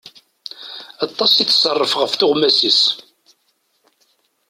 Aṭas i tṣerref ɣef tuɣmas-is.